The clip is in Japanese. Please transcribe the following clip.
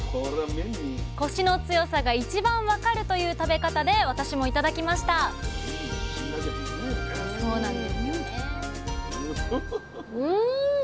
コシの強さが一番分かるという食べ方で私も頂きましたうん！